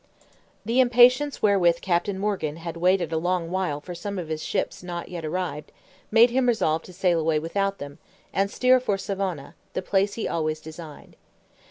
The impatience wherewith Captain Morgan had waited a long while for some of his ships not yet arrived, made him resolve to sail away without them, and steer for Savona, the place he always designed.